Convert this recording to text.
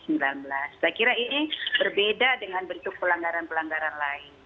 saya kira ini berbeda dengan bentuk pelanggaran pelanggaran lain